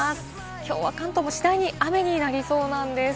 きょうは関東も次第に雨になりそうなんです。